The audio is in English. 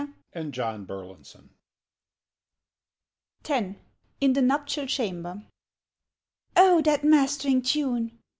'" X IN THE NUPTIAL CHAMBER "O THAT mastering tune?"